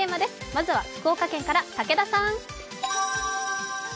まずは福岡県から武田さん。